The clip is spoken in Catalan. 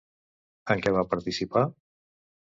En què va participar?